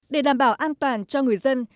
để đảm bảo an toàn cho người dân